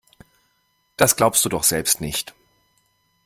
Das glaubst du doch selbst nicht.